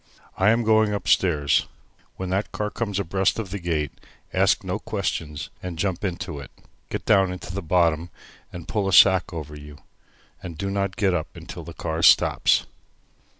"I am going upstairs. When that car comes abreast of the gate, ask no questions and jump into it. Get down into the bottom and pull a sack over you, and do not get up until the car stops."